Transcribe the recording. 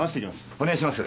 お願いします。